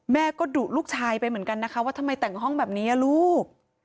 แม่ก็ดุลูกชายไปเหมือนกันนะคะว่าทำไมแต่งห้องแบบนี้ลูก